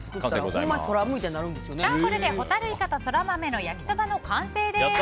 これでホタルイカとソラマメの焼きそばの完成です。